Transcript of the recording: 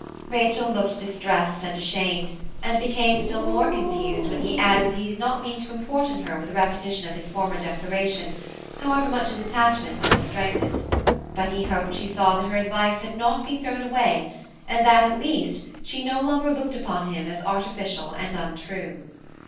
Rachel looked distressed and ashamed; and became still more confused when he added that he did not mean to importune her with a repetition of his former declaration, however much his attachment might have strengthened–but he hoped she saw that her advice had not been thrown away, and that, at least, she no longer looked upon him as artificial and untrue.